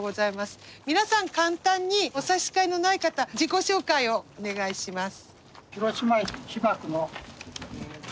皆さん簡単にお差し支えのない方自己紹介をお願いします。